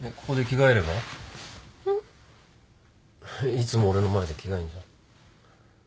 いつも俺の前で着替えんじゃん。